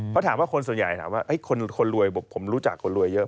เพราะถามว่าคนส่วนใหญ่ถามว่าคนรวยผมรู้จักคนรวยเยอะ